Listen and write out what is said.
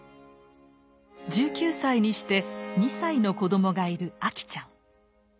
１９歳にして２歳の子どもがいる秋ちゃん。